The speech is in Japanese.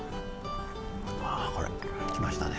あこれきましたね。